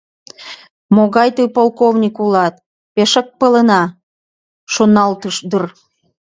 Могай тый полковник улат, пешак палена», — шоналтыш дыр.